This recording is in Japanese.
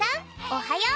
おはよう！